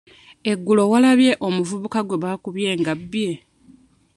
Eggulo walabye omuvubuka gwe baakubye nga abbye?